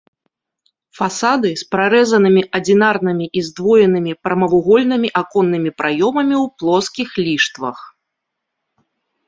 Фасады з прарэзанымі адзінарнымі і здвоенымі прамавугольнымі аконнымі праёмамі ў плоскіх ліштвах.